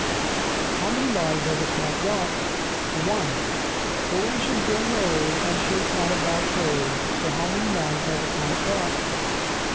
17 How many Lives has the Cat got? ONE! But then she's grown old, And has caught a bad cold; So how many Lives has the Cat got?